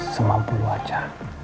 semampu lu aja